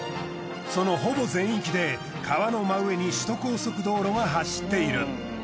そのほぼ全域で川の真上に首都高速道路が走っている。